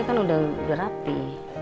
ini kan udah rapi